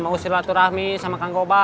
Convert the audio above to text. mau sirulatur rahmi sama kang gobang